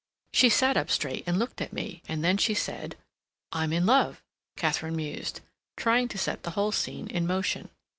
"She sat up straight and looked at me, and then she said, 'I'm in love,'" Katharine mused, trying to set the whole scene in motion.